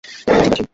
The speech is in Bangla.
আমি ঠিক আছি।